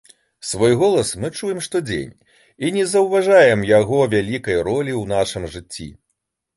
Свой голас мы чуем штодзень і не заўважаем яго вялікай ролі ў нашым жыцці.